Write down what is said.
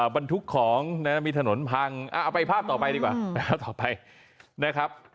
บรรทุกของมีถนนพังเอาไปภาพต่อไปดีกว่าภาพต่อไปนะครับ